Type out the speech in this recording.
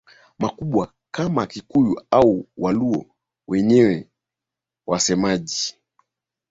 makubwa kama Wakikuyu au Waluo wenye wasemaji